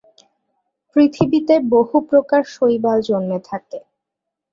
পৃথিবীতে বহু প্রকার শৈবাল জন্মে থাকে।